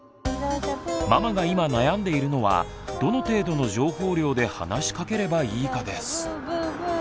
ママが今悩んでいるのはどの程度の情報量で話しかければいいかです。